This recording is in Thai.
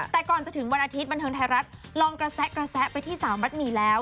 แต่ก่อนจะถึงวันอาทิตย์บันเทิงไทยรัฐลองกระแสะไปที่สาวมัดหมี่แล้ว